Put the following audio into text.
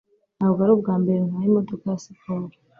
Ntabwo aribwo bwa mbere ntwaye imodoka ya siporo.